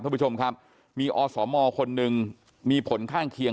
ท่านผู้ชมครับมีอสมคนหนึ่งมีผลข้างเคียง